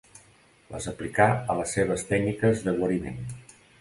Les aplicà a les seves tècniques de guariment.